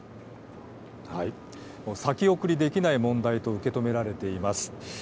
先送りできない問題と受け止められています。